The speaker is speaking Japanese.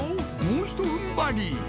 もうひと踏ん張り！